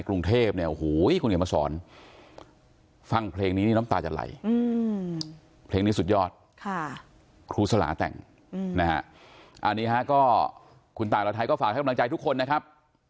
ก็คุณตายอัตราไทยฝากให้โฟรังใจทุกคนนะครับ